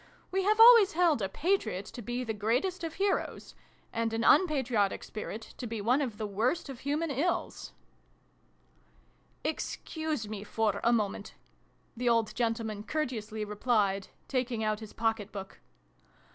We have always held a Patriot to be the greatest of heroes, and an unpatriotic spirit to be one of the worst of human ills !" xni] WHAT TOTTLES MEANT. 201 "Excuse me for a moment," the old gentle man courteously replied, taking out his pocket book.